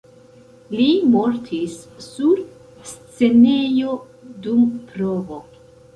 Li mortis sur scenejo dum provo.